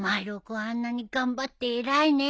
あんなに頑張って偉いね！